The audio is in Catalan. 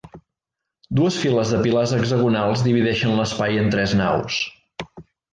Dues files de pilars hexagonals divideixen l'espai en tres naus.